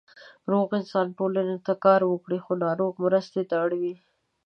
روغ انسان ټولنې ته کار ورکوي، خو ناروغ مرستې ته اړ وي.